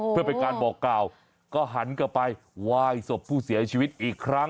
เพื่อเป็นการบอกกล่าวก็หันกลับไปไหว้ศพผู้เสียชีวิตอีกครั้ง